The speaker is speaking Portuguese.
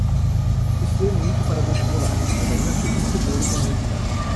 Estudei muito para o vestibular, mas ainda fico inseguro com o resultado.